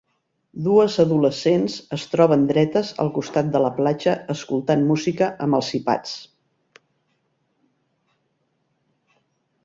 Dues adolescents es troben dretes al costat de la platja escoltant música amb els iPods.